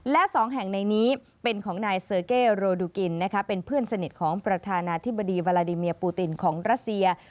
และสองแห่งในนี้เป็นของนายเซอร์เก้โรดูกินเป็นเพื่อนสนิทของประธานาธิบดีวาลาดิเมียปูตินของรัสเซีย